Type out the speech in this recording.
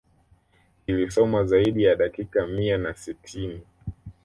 Ilisomwa zaidi ya dakika mia na sitini